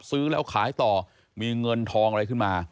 ซื้อแล้วขายต่อมีเงินทองอะไรขึ้นมา